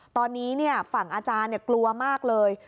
ตอนนี้ฝั่งอาจารย์กลัวมากเลย